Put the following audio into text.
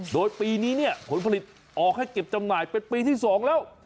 โดยปีนี้เนี่ยผลผลิตออกให้เก็บจำหน่ายเป็นปีที่๒แล้ว